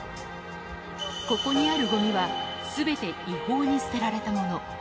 ここにあるごみは、すべて違法に捨てられたもの。